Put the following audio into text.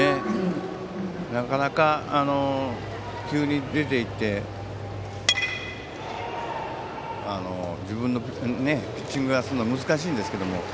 なかなか急に出て行って自分のピッチングをするのは難しいんですけれども。